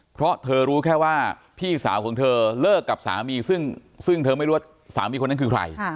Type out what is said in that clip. เพราะเธอรู้แค่ว่าพี่สาวของเธอเลิกกับสามีซึ่งเธอไม่รู้ว่าสามีคนนั้นคือใคร